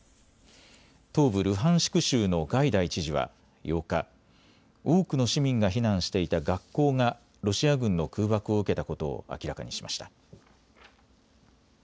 東部ルハンシク州のガイダイ知事は８日、多くの市民が避難していた学校がロシア軍の空爆を受けたことを明らかにしました。